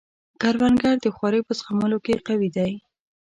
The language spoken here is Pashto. کروندګر د خوارۍ په زغملو کې قوي دی